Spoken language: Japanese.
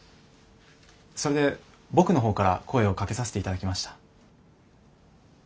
それで僕の方から声をかけさせて頂きました。